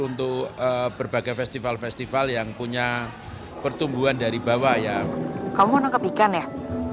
untuk berbagai festival festival yang punya pertumbuhan dari bawah